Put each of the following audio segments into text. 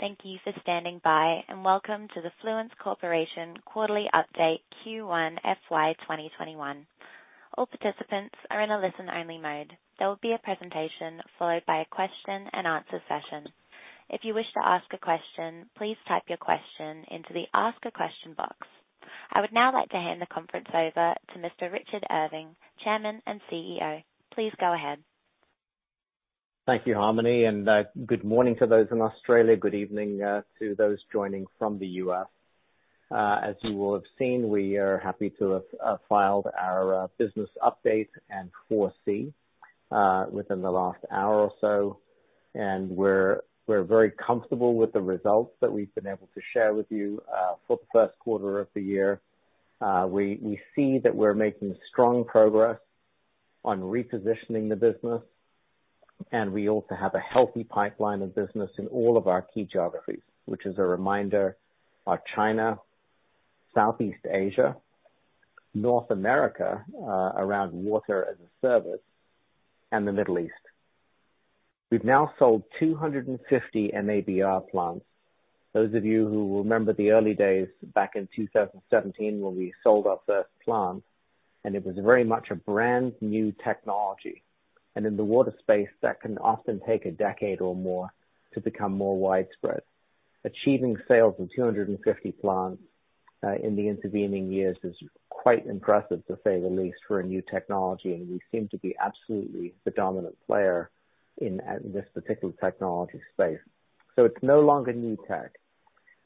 Thank you for standing by, and welcome to the Fluence Corporation quarterly update Q1 FY 2021. All participants are in a listen-only mode. There will be a presentation followed by a question-and-answer session. If you wish to ask a question, please type your question into the ask a question box. I would now like to hand the conference over to Mr. Richard Irving, Chairman and CEO. Please go ahead. Thank you, Harmony. Good morning to those in Australia. Good evening to those joining from the U.S. As you will have seen, we are happy to have filed our business update and 4C within the last hour or so. We're very comfortable with the results that we've been able to share with you for the first quarter of the year. We see that we're making strong progress on repositioning the business, and we also have a healthy pipeline of business in all of our key geographies. Which as a reminder, are China, Southeast Asia, North America, around Water as a Service, and the Middle East. We've now sold 250 MABR plants. Those of you who remember the early days back in 2017 when we sold our first plant, and it was very much a brand-new technology, and in the water space, that can often take a decade or more to become more widespread. Achieving sales of 250 plants in the intervening years is quite impressive, to say the least, for a new technology, and we seem to be absolutely the dominant player in this particular technology space. It's no longer new tech,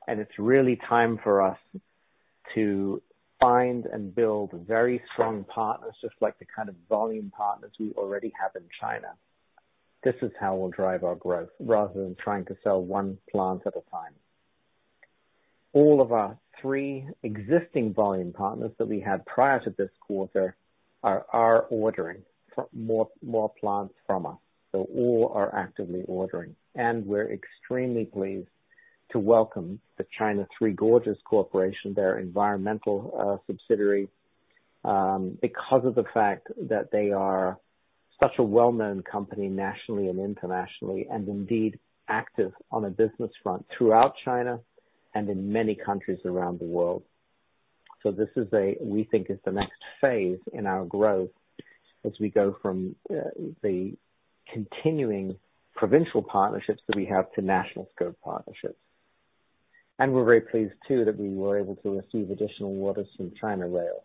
and it's really time for us to find and build very strong partners, just like the kind of volume partners we already have in China. This is how we'll drive our growth rather than trying to sell one plant at a time. All of our three existing volume partners that we had prior to this quarter are ordering more plants from us. All are actively ordering. We're extremely pleased to welcome the China Three Gorges Corporation, their environmental subsidiary, because of the fact that they are such a well-known company nationally and internationally. Indeed active on a business front throughout China and in many countries around the world. This is a, we think, is the next phase in our growth as we go from the continuing provincial partnerships that we have to national scope partnerships. We're very pleased too that we were able to receive additional orders from China Rail,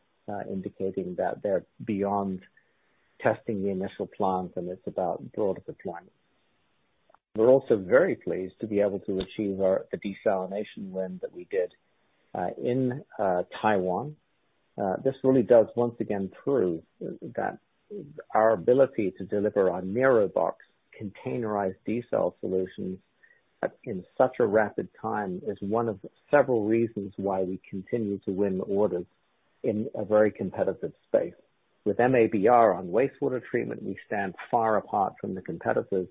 indicating that they're beyond testing the initial plant and it's about broader deployment. We're also very pleased to be able to achieve the desalination win that we did in Taiwan. This really does once again prove that our ability to deliver on NIROBOX containerized desal solutions in such a rapid time is one of several reasons why we continue to win orders in a very competitive space. With MABR on wastewater treatment, we stand far apart from the competitors.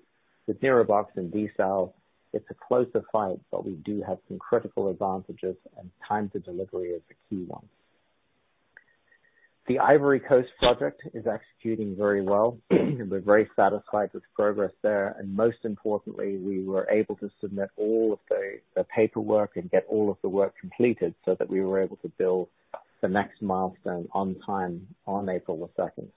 With NIROBOX and desal, it's a closer fight, but we do have some critical advantages, and time to delivery is the key one. The Ivory Coast project is executing very well. We're very satisfied with progress there, and most importantly, we were able to submit all of the paperwork and get all of the work completed so that we were able to build the next milestone on time on April 2nd.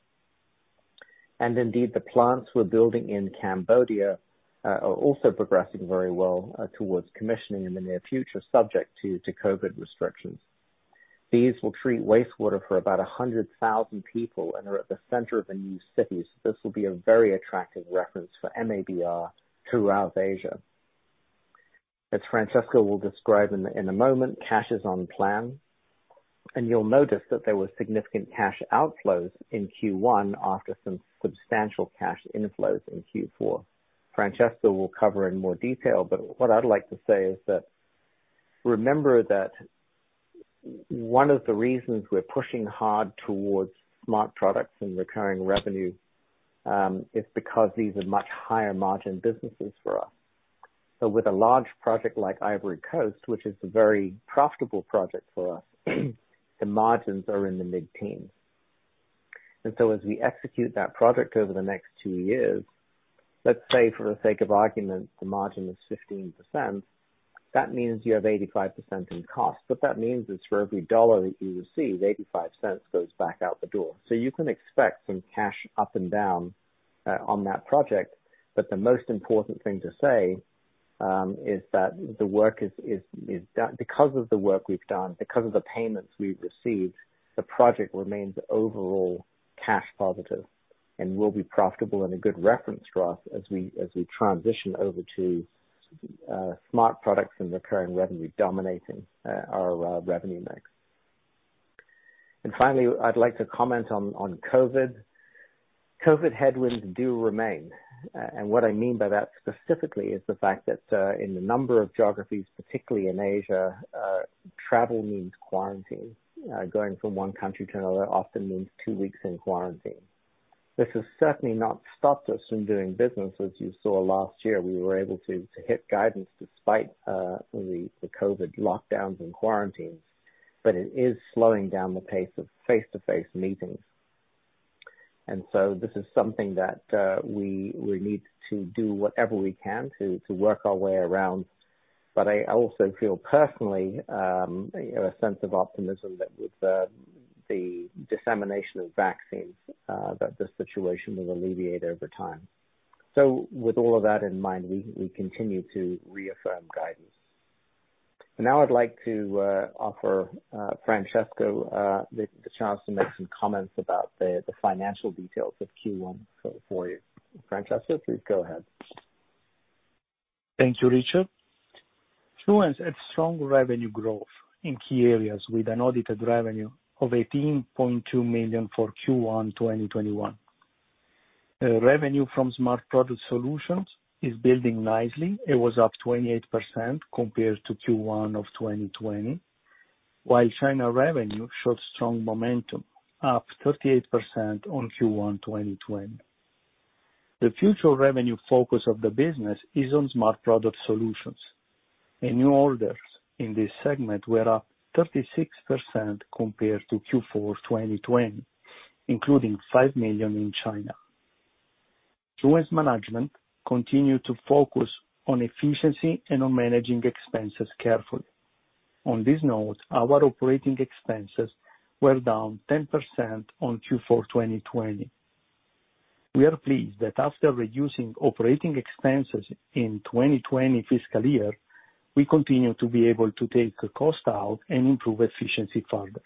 Indeed, the plants we're building in Cambodia are also progressing very well towards commissioning in the near future subject to COVID restrictions. These will treat wastewater for about 100,000 people and are at the center of a new city, so this will be a very attractive reference for MABR throughout Asia. As Francesco will describe in a moment, cash is on plan. You'll notice that there were significant cash outflows in Q1 after some substantial cash inflows in Q4. Francesco will cover in more detail, but what I'd like to say is that, remember that one of the reasons we're pushing hard towards smart products and recurring revenue, is because these are much higher margin businesses for us. With a large project like Ivory Coast, which is a very profitable project for us, the margins are in the mid-teens. As we execute that project over the next two years, let's say for the sake of argument the margin is 15%, that means you have 85% in cost. What that means is for every AUD that you receive, 0.85 goes back out the door. You can expect some cash up and down on that project. The most important thing to say, is that because of the work we've done, because of the payments we've received, the project remains overall cash positive and will be profitable and a good reference for us as we transition over to Smart Products and recurring revenue dominating our revenue mix. Finally, I'd like to comment on COVID. COVID headwinds do remain. What I mean by that specifically is the fact that, in a number of geographies, particularly in Asia, travel means quarantine. Going from one country to another often means two weeks in quarantine. This has certainly not stopped us from doing business. As you saw last year, we were able to hit guidance despite the COVID lockdowns and quarantines, but it is slowing down the pace of face-to-face meetings. So this is something that we need to do whatever we can to work our way around. I also feel personally, a sense of optimism that with the dissemination of vaccines, that the situation will alleviate over time. With all of that in mind, we continue to reaffirm guidance. Now I'd like to offer Francesco the chance to make some comments about the financial details of Q1 for you. Francesco, please go ahead. Thank you, Richard. Fluence had strong revenue growth in key areas with an audited revenue of 18.2 million for Q1 2021. Revenue from Smart Product Solutions is building nicely. It was up 28% compared to Q1 of 2020. While China revenue showed strong momentum, up 38% on Q1 2020. The future revenue focus of the business is on Smart Product Solutions, and new orders in this segment were up 36% compared to Q4 2020, including 5 million in China. Fluence management continue to focus on efficiency and on managing expenses carefully. On this note, our operating expenses were down 10% on Q4 2020. We are pleased that after reducing operating expenses in 2020 fiscal year, we continue to be able to take the cost out and improve efficiency further.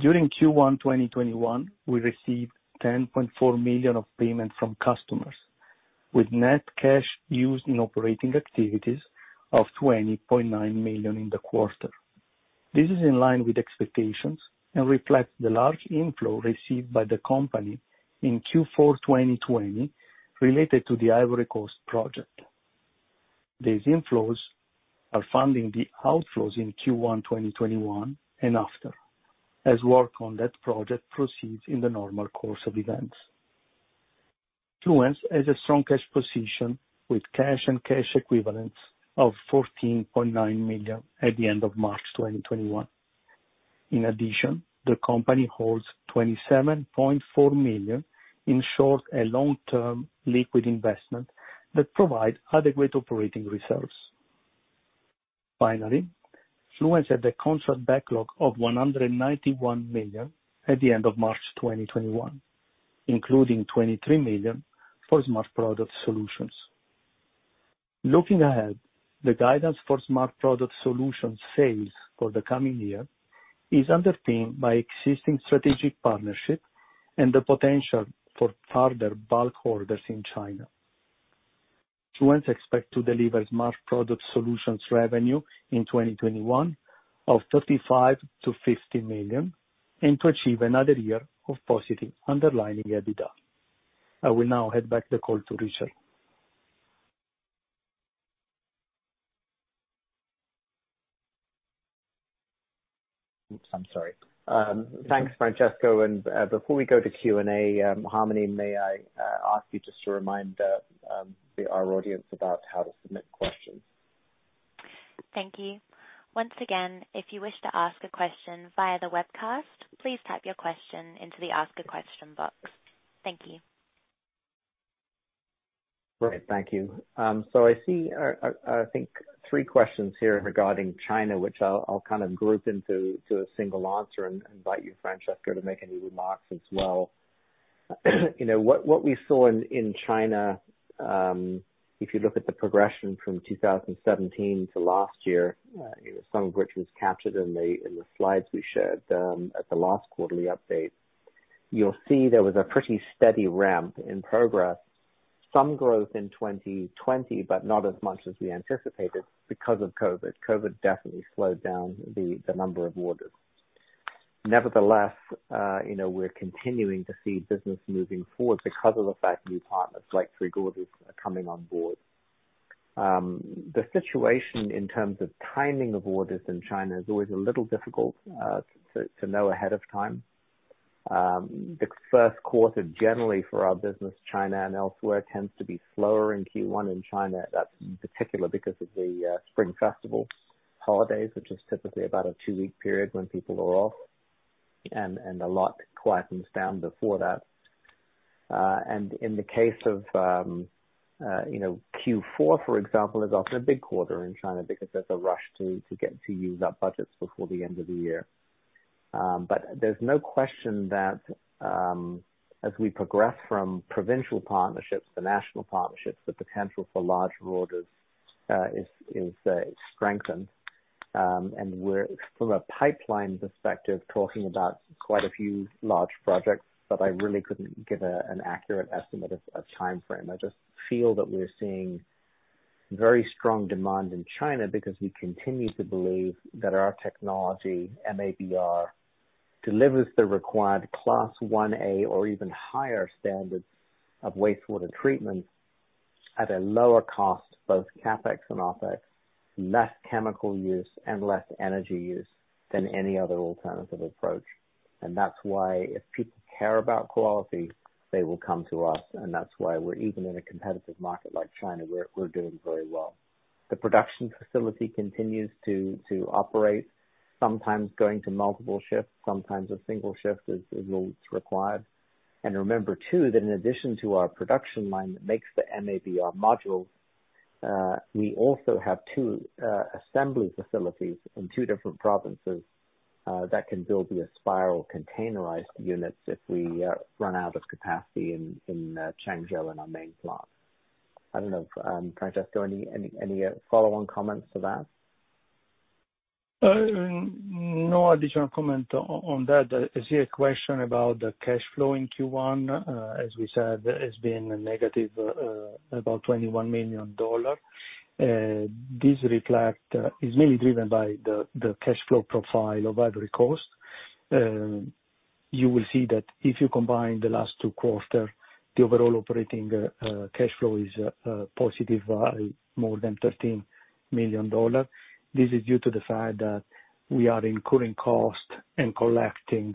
During Q1 2021, we received 10.4 million of payment from customers with net cash used in operating activities of 20.9 million in the quarter. This is in line with expectations and reflects the large inflow received by the company in Q4 2020 related to the Ivory Coast project. These inflows are funding the outflows in Q1 2021 and after, as work on that project proceeds in the normal course of events. Fluence has a strong cash position with cash and cash equivalents of 14.9 million at the end of March 2021. In addition, the company holds 27.4 million in short- and long-term liquid investment that provide adequate operating reserves. Finally, Fluence had a constant backlog of 191 million at the end of March 2021, including 23 million for Smart Product Solutions. Looking ahead, the guidance for Smart Product Solutions sales for the coming year is underpinned by existing strategic partnerships and the potential for further bulk orders in China. Fluence expect to deliver Smart Product Solutions revenue in 2021 of 35 million-50 million and to achieve another year of positive underlying EBITDA. I will now hand back the call to Richard. Oops, I'm sorry. Thanks, Francesco. Before we go to Q&A, Harmony, may I ask you just to remind our audience about how to submit questions. Thank you. Once again, if you wish to ask a question via the webcast, please type your question into the Ask a Question box. Thank you. Great. Thank you. I see, I think, three questions here regarding China, which I'll kind of group into a single answer and invite you, Francesco, to make any remarks as well. What we saw in China, if you look at the progression from 2017 to last year, some of which was captured in the slides we shared at the last quarterly update. You'll see there was a pretty steady ramp in progress. Some growth in 2020, but not as much as we anticipated because of COVID. COVID definitely slowed down the number of orders. Nevertheless, we're continuing to see business moving forward because of the fact new partners like Three Gorges are coming on board. The situation in terms of timing of orders in China is always a little difficult to know ahead of time. The first quarter, generally for our business, China and elsewhere, tends to be slower in Q1 in China. That's in particular because of the Spring Festival holidays, which is typically about a two-week period when people are off and a lot quietens down before that. In the case of Q4, for example, is often a big quarter in China because there's a rush to get to use up budgets before the end of the year. There's no question that as we progress from provincial partnerships to national partnerships, the potential for large orders is strengthened. We're, from a pipeline perspective, talking about quite a few large projects, but I really couldn't give an accurate estimate of timeframe. I just feel that we're seeing very strong demand in China because we continue to believe that our technology, MABR, delivers the required Class 1A or even higher standards of wastewater treatment at a lower cost, both CapEx and OpEx, less chemical use and less energy use than any other alternative approach. That's why if people care about quality, they will come to us, and that's why we're even in a competitive market like China, we're doing very well. The production facility continues to operate, sometimes going to multiple shifts, sometimes a single shift is required. Remember too, that in addition to our production line that makes the MABR modules, we also have two assembly facilities in two different provinces that can build the Aspiral containerized units if we run out of capacity in Changzhou in our main plant. I don't know, Francesco, any follow-on comments to that? No additional comment on that. I see a question about the cash flow in Q1. As we said, it's been about AUD -21 million. This is mainly driven by the cash flow profile of Ivory Coast. You will see that if you combine the last two quarters, the overall operating cash flow is a positive value, more than 13 million dollars. This is due to the fact that we are incurring costs and collecting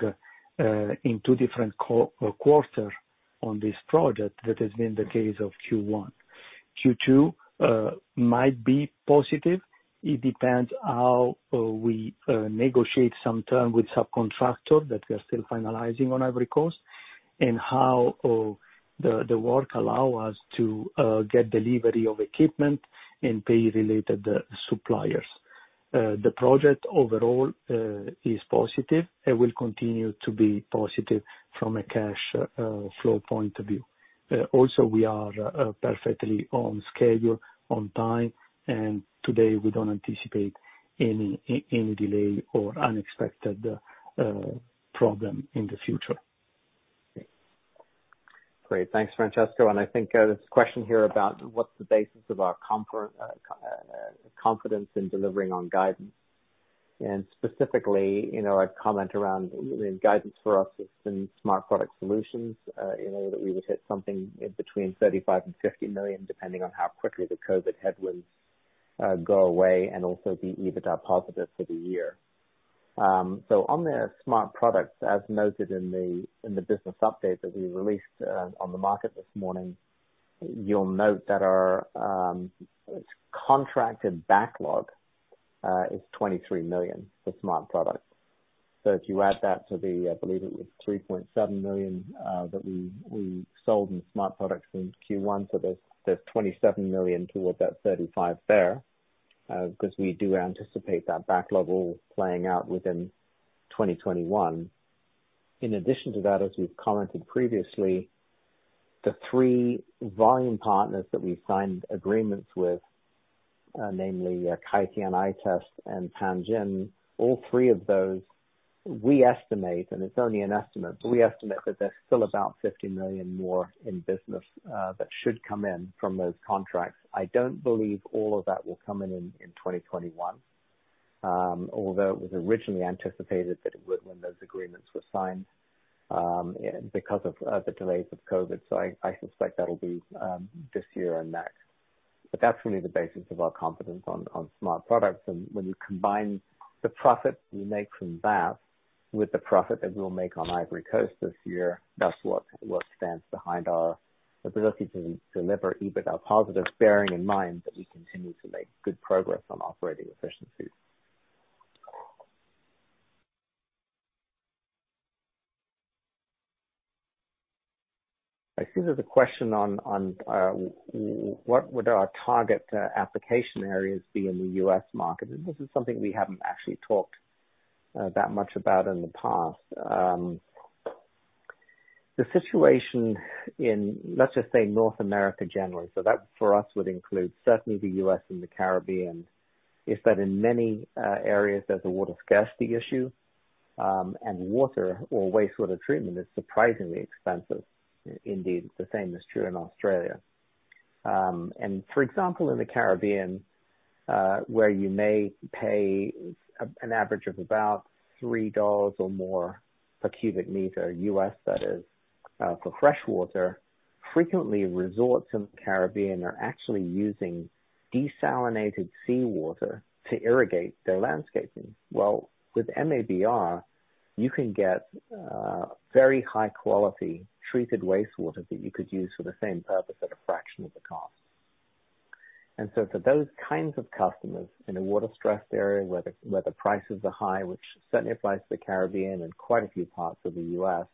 in two different quarters on this project. That has been the case of Q1. Q2 might be positive. It depends how we negotiate some terms with subcontractors, that we are still finalizing on Ivory Coast, and how the work allow us to get delivery of equipment and pay related suppliers. The project overall is positive and will continue to be positive from a cash flow point of view. We are perfectly on schedule, on time, and today we don't anticipate any delay or unexpected problem in the future. Great. Thanks, Francesco. I think there's a question here about what's the basis of our confidence in delivering on guidance. Specifically, a comment around guidance for our systems, Smart Product Solutions, that we would hit something in between 35 million and 50 million, depending on how quickly the COVID headwinds go away, and also be EBITDA positive for the year. On the Smart Products, as noted in the business update that we released on the market this morning, you'll note that our contracted backlog is 23 million for Smart Products. If you add that to the, I believe it was 3.7 million that we sold in Smart Products in Q1, there's 27 million towards that 35 million there, because we do anticipate that back level playing out within 2021. In addition to that, as we've commented previously, the three volume partners that we've signed agreements with, namely Kai Tian, ITEST, and Jinzi, all three of those, we estimate, and it's only an estimate, but we estimate that there's still about 50 million more in business that should come in from those contracts. I don't believe all of that will come in in 2021. Although it was originally anticipated that it would when those agreements were signed, because of the delays of COVID. I suspect that'll be this year and next. That's really the basis of our confidence on Smart Products. When you combine the profit we make from that with the profit that we will make on Ivory Coast this year, that's what stands behind our ability to deliver EBITDA positive, bearing in mind that we continue to make good progress on operating efficiencies. I see there's a question on what would our target application areas be in the U.S. market? This is something we haven't actually talked that much about in the past. The situation in, let's just say North America generally, so that for us would include certainly the U.S. and the Caribbean, is that in many areas there's a water scarcity issue, and water or wastewater treatment is surprisingly expensive. Indeed, the same is true in Australia. For example, in the Caribbean, where you may pay an average of about $3 or more per cubic meter, U.S. that is, for fresh water, frequently resorts in the Caribbean are actually using desalinated seawater to irrigate their landscaping. Well, with MABR, you can get very high quality treated wastewater that you could use for the same purpose at a fraction of the cost. For those kinds of customers in a water-stressed area where the prices are high, which certainly applies to the Caribbean and quite a few parts of the U.S.,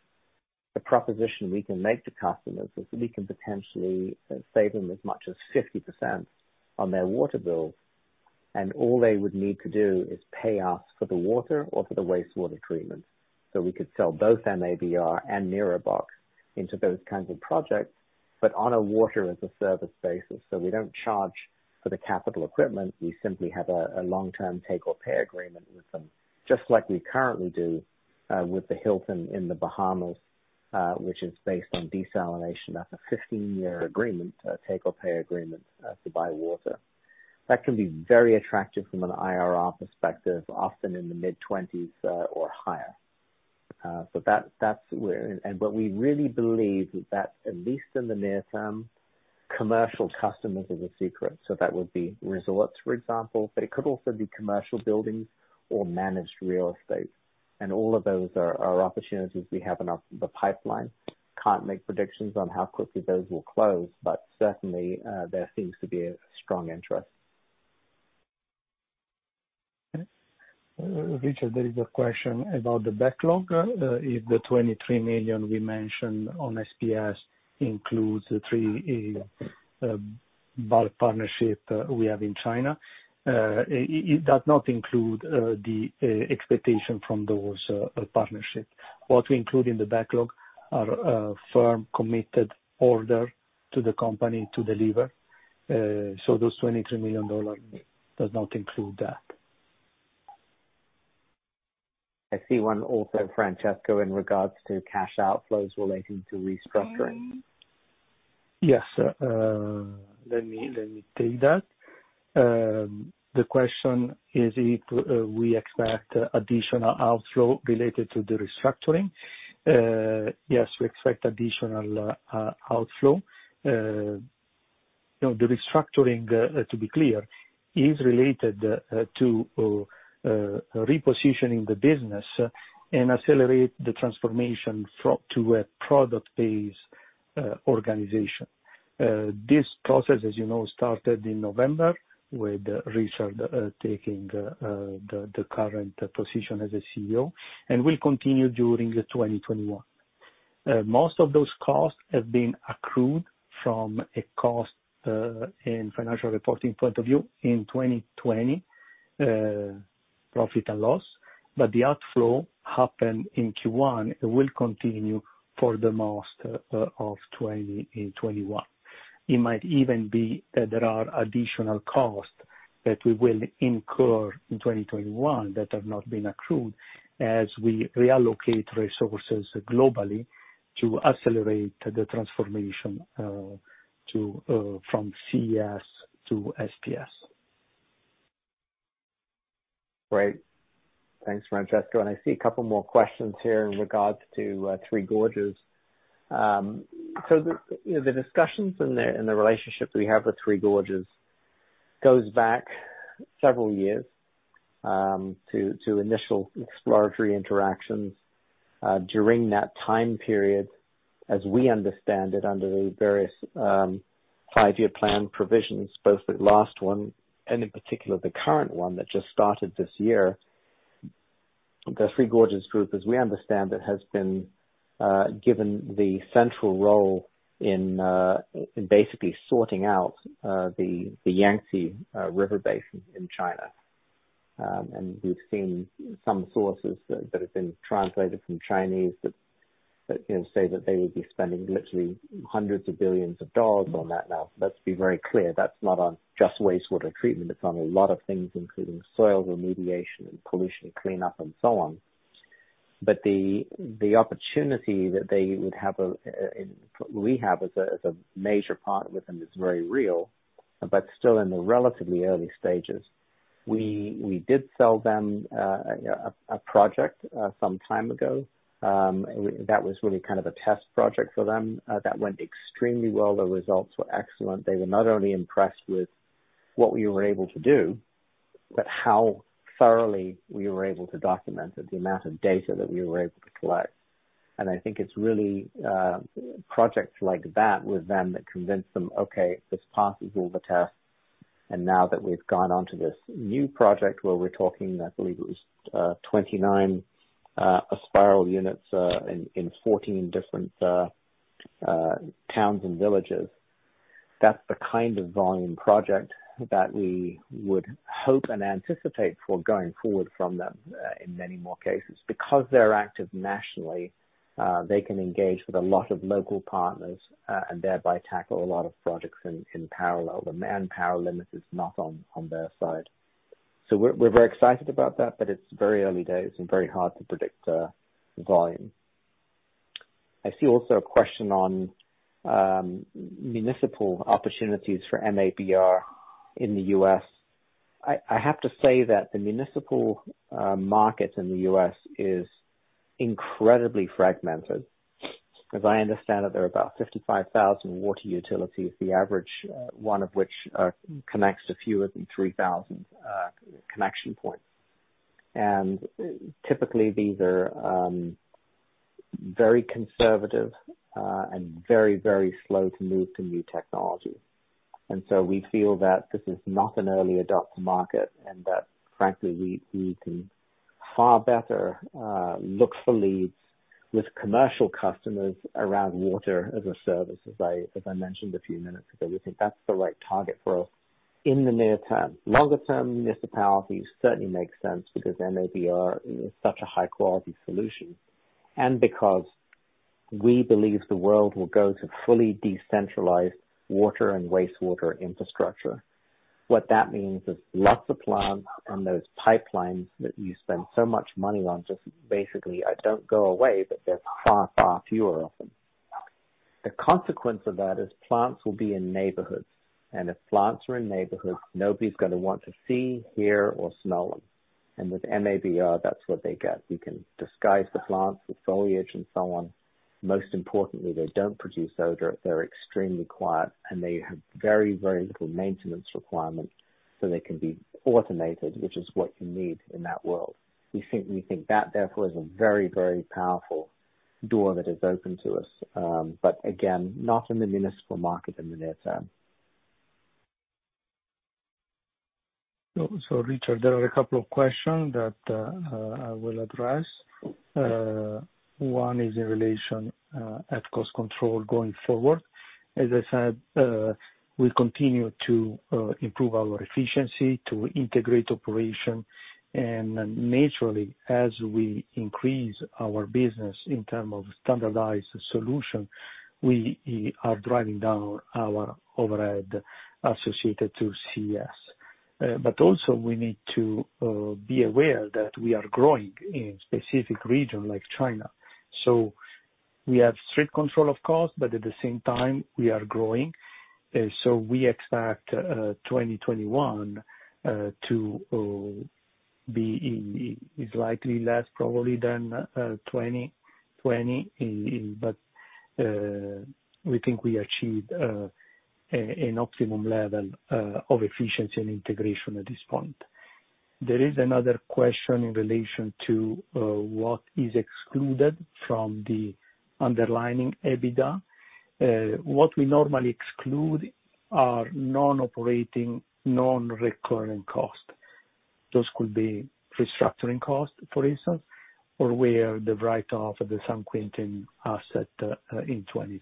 the proposition we can make to customers is we can potentially save them as much as 50% on their water bills, and all they would need to do is pay us for the water or for the wastewater treatment. We could sell both MABR and NIROBOX into those kinds of projects, but on a Water as a Service basis. We don't charge for the capital equipment, we simply have a long-term take-or-pay agreement with them, just like we currently do with the Hilton in the Bahamas, which is based on desalination. That's a 15-year agreement, a take-or-pay agreement to buy water. That can be very attractive from an IRR perspective, often in the mid-20s or higher. What we really believe is that at least in the near term, commercial customers is the secret. That would be resorts, for example, but it could also be commercial buildings or managed real estate. All of those are opportunities we have in the pipeline. Can't make predictions on how quickly those will close, but certainly, there seems to be a strong interest. Okay. Richard, there is a question about the backlog, if the 23 million we mentioned on SPS includes the three bulk partnership we have in China. It does not include the expectation from those partnerships. What we include in the backlog are firm, committed order to the company to deliver. Those 23 million dollars does not include that. I see one also, Francesco, in regards to cash outflows relating to restructuring. Yes. Let me take that. The question, is if we expect additional outflow related to the restructuring? Yes, we expect additional outflow. The restructuring, to be clear, is related to repositioning the business and accelerate the transformation to a product-based organization. This process, as you know, started in November with Richard taking the current position as a CEO and will continue during 2021. Most of those costs have been accrued from a cost in financial reporting point of view in 2020 profit and loss, but the outflow happened in Q1, will continue for the most of 2021. It might even be that there are additional costs that we will incur in 2021 that have not been accrued as we reallocate resources globally to accelerate the transformation from CES to SPS. Great. Thanks, Francesco, and I see a couple more questions here in regards to Three Gorges. The discussions and the relationship we have with Three Gorges goes back several years to initial exploratory interactions. During that time period, as we understand it, under the various five-year plan provisions, both the last one and in particular, the current one that just started this year, the Three Gorges group, as we understand it, has been given the central role in basically sorting out the Yangtze River Basin in China. We've seen some sources that have been translated from Chinese that say that they will be spending literally hundreds of billions of dollars on that. Let's be very clear, that's not on just wastewater treatment. It's on a lot of things, including soil remediation and pollution cleanup and so on. The opportunity that we have as a major partner with them is very real, but still in the relatively early stages. We did sell them a project some time ago. That was really kind of a test project for them that went extremely well. The results were excellent. They were not only impressed with what we were able to do, but how thoroughly we were able to document it, the amount of data that we were able to collect. I think it's really projects like that with them that convinced them, okay, this passes all the tests, and now that we've gone on to this new project where we're talking, I believe it was 29 Aspiral units in 14 different towns and villages. That's the kind of volume project that we would hope and anticipate for going forward from them in many more cases. They're active nationally, they can engage with a lot of local partners, and thereby tackle a lot of projects in parallel. The manpower limit is not on their side. We're very excited about that, but it's very early days and very hard to predict the volume. I see also a question on municipal opportunities for MABR in the U.S. I have to say that the municipal market in the U.S. is incredibly fragmented. As I understand it, there are about 55,000 water utilities, the average one of which connects a few of the 3,000 connection points. Typically, these are very conservative and very slow to move to new technology. We feel that this is not an early adopter market, and that frankly, we can far better look for leads with commercial customers around Water as a Service, as I mentioned a few minutes ago. We think that's the right target for us in the near term. Longer-term municipalities certainly make sense because MABR is such a high-quality solution, and because we believe the world will go to fully decentralized water and wastewater infrastructure. What that means is lots of plants and those pipelines that you spend so much money on just basically don't go away, but there's far, far fewer of them. The consequence of that is plants will be in neighborhoods, and if plants are in neighborhoods, nobody's gonna want to see, hear, or smell them. With MABR, that's what they get. You can disguise the plants with foliage and so on. Most importantly, they don't produce odor, they're extremely quiet, and they have very, very little maintenance requirements, so they can be automated, which is what you need in that world. We think that therefore is a very, very powerful door that is open to us. Again, not in the municipal market in the near term. Richard, there are a couple of questions that I will address. One is in relation at cost control going forward. As I said, we continue to improve our efficiency to integrate operation, and naturally, as we increase our business in term of standardized solution, we are driving down our overhead associated to CES. Also we need to be aware that we are growing in specific region like China. We have strict control of cost, but at the same time we are growing. We expect 2021 to be slightly less probably than 2020, but we think we achieved an optimum level of efficiency and integration at this point. There is another question in relation to what is excluded from the underlying EBITDA. What we normally exclude are non-operating, non-recurring costs. Those could be restructuring costs, for instance, or where the write-off of the San Quintín asset in 2020.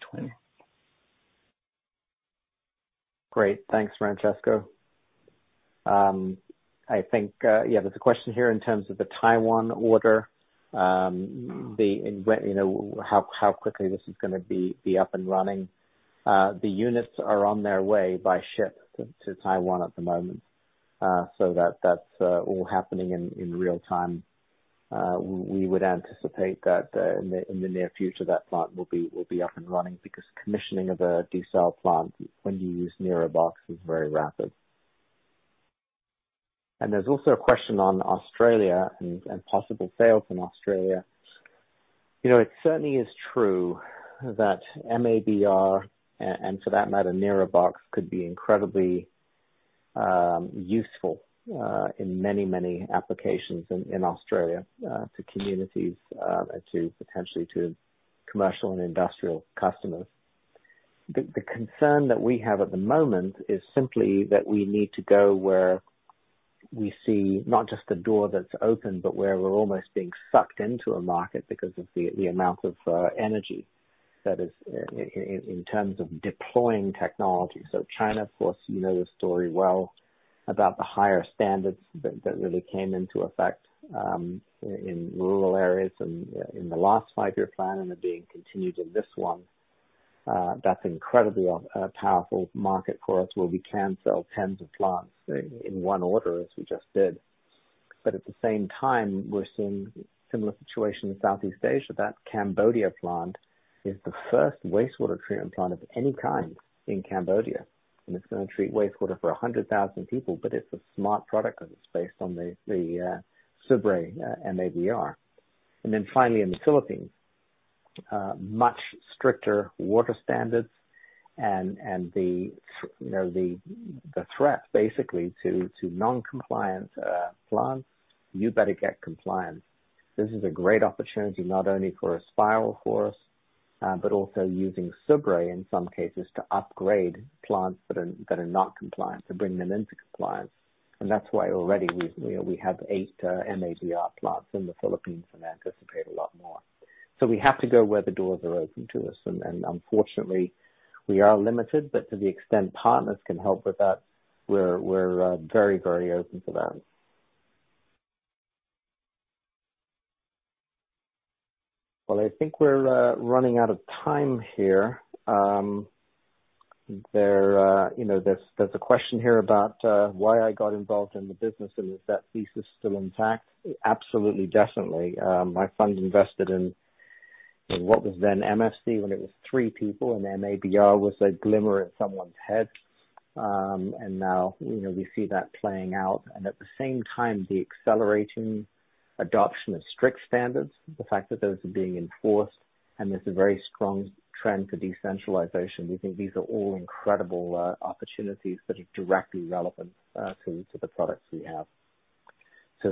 Great. Thanks, Francesco. There's a question here in terms of the Taiwan order, how quickly this is gonna be up and running. The units are on their way by ship to Taiwan at the moment. That's all happening in real time. We would anticipate that in the near future, that plant will be up and running because commissioning of a desal plant when you use NIROBOX is very rapid. There's also a question on Australia and possible sales in Australia. It certainly is true that MABR, and for that matter, NIROBOX, could be incredibly useful, in many, many applications in Australia, for communities, and potentially to commercial and industrial customers. The concern that we have at the moment is simply that we need to go where we see not just a door that's open, but where we're almost being sucked into a market because of the amount of energy that is in terms of deploying technology. China, of course, you know the story well about the higher standards that really came into effect in rural areas and in the last five-year plan, and are being continued in this one. That's incredibly a powerful market for us where we can sell tens of plants in one order, as we just did. At the same time, we're seeing similar situation in Southeast Asia. That Cambodia plant is the first wastewater treatment plant of any kind in Cambodia, and it's gonna treat wastewater for 100,000 people, but it's a Smart Product because it's based on the SUBRE MABR. Finally, in the Philippines, much stricter water standards and the threat basically to non-compliant plants, you better get compliant. This is a great opportunity not only for Aspiral for us, but also using SUBRE in some cases to upgrade plants that are not compliant, to bring them into compliance. That's why already we have eight MABR plants in the Philippines, and anticipate a lot more. We have to go where the doors are open to us, and unfortunately, we are limited, but to the extent partners can help with that, we're very, very open to that. I think we're running out of time here. There's a question here about, why I got involved in the business and is that thesis still intact? Absolutely, definitely. My fund invested in what was then Emefcy when it was three people, and MABR was a glimmer in someone's head. Now, we see that playing out and at the same time, the accelerating adoption of strict standards, the fact that those are being enforced, and there's a very strong trend to decentralization. We think these are all incredible opportunities that are directly relevant to the products we have.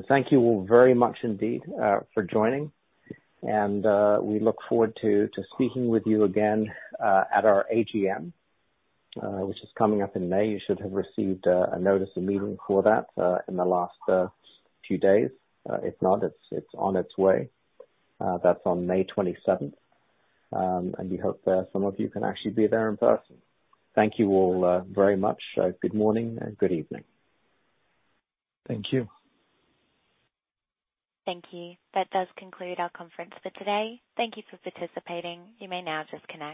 Thank you all very much indeed, for joining. We look forward to speaking with you again at our AGM, which is coming up in May. You should have received a notice of meeting for that, in the last few days. If not, it's on its way. That's on May 27th. We hope that some of you can actually be there in person. Thank you all very much. Good morning and good evening. Thank you. Thank you. That does conclude our conference for today. Thank you for participating. You may now disconnect.